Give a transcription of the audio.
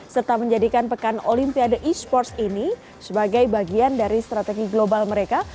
serta menjadikan pekan olimpiade e sports ini sebagai bagian dari strategi global mereka